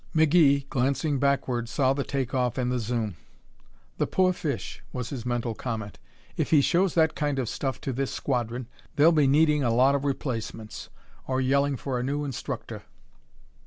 McGee, glancing backward, saw the take off and the zoom. "The poor fish!" was his mental comment. "If he shows that kind of stuff to this squadron they'll be needing a lot of replacements or yelling for a new instructor."